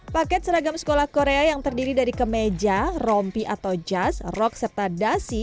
paket seragam sekolah korea yang terdiri dari kemeja rompi atau jas rok serta dasi